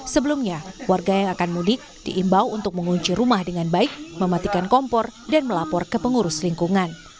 sebelumnya warga yang akan mudik diimbau untuk mengunci rumah dengan baik mematikan kompor dan melapor ke pengurus lingkungan